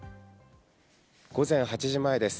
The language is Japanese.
午前８時前です。